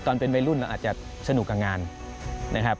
ตอนเป็นวัยรุ่นเราอาจจะสนุกกับงานนะครับ